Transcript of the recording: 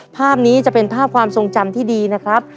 ภาพนี้จะเป็นภาพความทรงจำที่ดีนะครับ